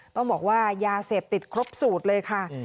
ต้องบอกว่ายาเสพติดครบสูตรเลยค่ะ